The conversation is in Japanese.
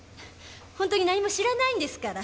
本当に何も知らないんですから。